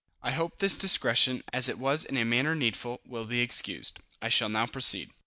I hope this digression, as it was in a manner needful, will be excused. I shall now proceed.